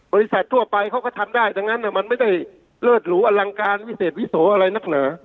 ทั่วไปเขาก็ทำได้ดังนั้นมันไม่ได้เลิศหรูอลังการวิเศษวิโสอะไรนักหนา